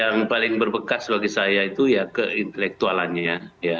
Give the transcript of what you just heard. yang paling berbekas bagi saya itu ya keintelektualannya